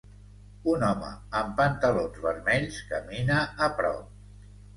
Un home amb pantalons vermells camina a prop.